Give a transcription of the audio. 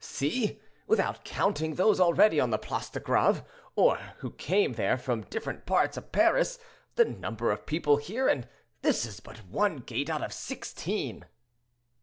See, without counting those already on the Place de Greve, or who came there from different parts of Paris, the number of people here; and this is but one gate out of sixteen."